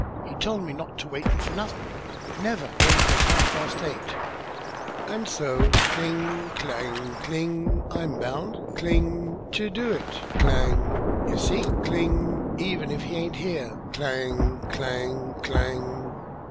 He told me not to wait for nothin', never, when 'twas half past eight, and so" cling, clang, cling "I'm bound" cling "ter do it!" Clang. "You see" cling "even if he aint here " Clang, clang, clang.